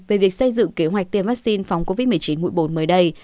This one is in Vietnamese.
về việc xây dựng kế hoạch tiêm vaccine phòng covid một mươi chín mũi bộn mới đây